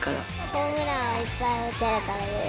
ホームランをいっぱい打ってるからです。